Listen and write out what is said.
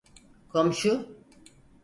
Komşu…